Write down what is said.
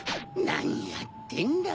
なにやってんだ。